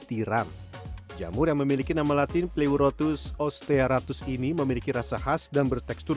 tiram jamur yang memiliki nama latin pleurotus osteratus ini memiliki rasa khas dan bertekstur